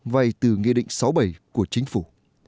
vài từ nghị định sáu bảy của chính phủ